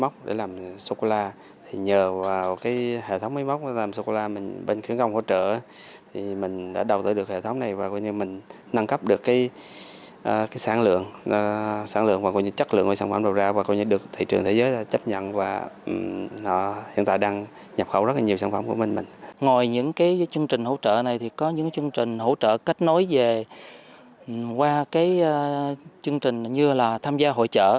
chương trình hỗ trợ này có những chương trình hỗ trợ kết nối về qua chương trình như là tham gia hội trợ